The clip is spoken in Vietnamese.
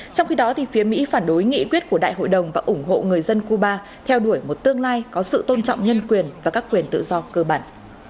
trong khi đó phía mỹ phản đối nghị quyết của đại hội đồng và ủng hộ người dân cuba theo đuổi một tương lai có sự tôn trọng nhân quyền và các quyền tự do cơ bản